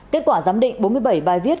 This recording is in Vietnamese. kết quả giám định bốn mươi bảy bài viết